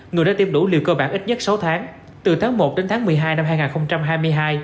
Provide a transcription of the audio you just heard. người đã tiêm đủ liều cơ bản ít nhất sáu tháng từ tháng một đến tháng một mươi hai năm hai nghìn hai mươi hai